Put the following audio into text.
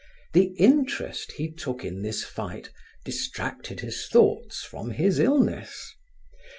The interest he took in this fight distracted his thoughts from his illness.